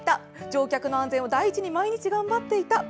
乗客の安全を第一に頑張っていた。